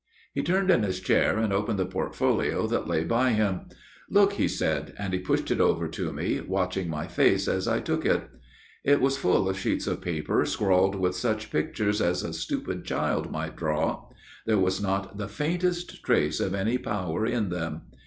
"He turned in his chair and opened the portfolio that lay by him. "' Look,' he said, and pushed it over to me, watching my face as I took it. " It was full of sheets of paper, scrawled with 84 A MIRROR OF SHALOTT such pictures as a stupid child might draw. There was not the faintest trace of any power in them.